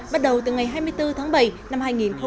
bắt đầu từ ngày hai mươi bốn tháng bảy năm hai nghìn hai mươi